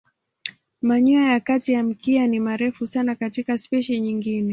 Manyoya ya kati ya mkia ni marefu sana katika spishi nyingine.